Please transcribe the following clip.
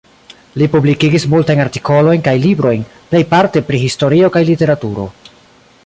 Li publikigis multajn artikolojn kaj librojn, plejparte pri historio kaj literaturo.